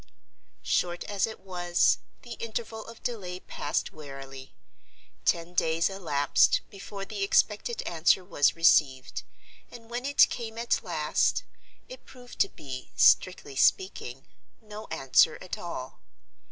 Short as it was, the interval of delay passed wearily. Ten days elapsed before the expected answer was received; and when it came at last, it proved to be, strictly speaking, no answer at all.